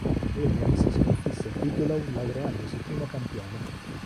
Williams sconfisse Bigelow laureandosi primo campione.